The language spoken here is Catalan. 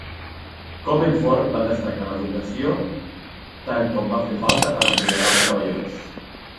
Commerford va destacar l'educació tan com va fer falta per empoderar els treballadors.